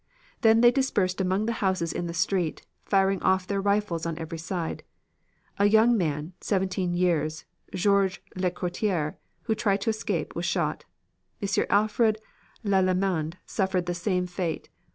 Then they dispersed among the houses in the streets, firing off their rifles on every side. A young man, seventeen years, Georges Lecourtier, who tried to escape, was shot. M. Alfred Lallemand suffered the same fate.